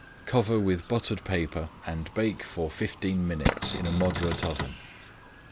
Cover with buttered paper and bake for fifteen minutes in a moderate oven.